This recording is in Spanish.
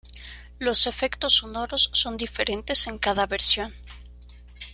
Los efectos sonoros son diferentes en cada versión.